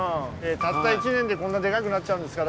たった１年でこんなデカくなっちゃうんですから。